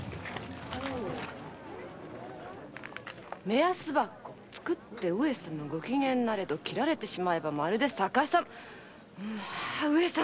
「目安箱作って上様ご機嫌なれど切られてしまえばまるで逆様」